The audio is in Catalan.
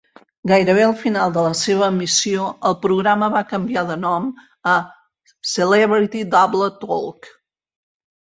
Gairebé al final de la seva emissió, el programa va canviar de nom a "Celebrity Double Talk".